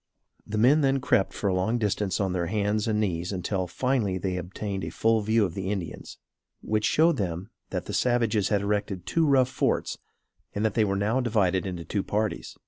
The men then crept for a long distance on their hands and knees until finally they obtained a full view of the Indians, which showed them that the savages had erected two rough forts and that they were now divided into two parties.